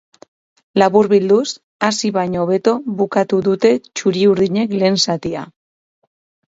Laburbilduz, hasi baino hobeto bukatu dute txuri-urdinek lehen zatia.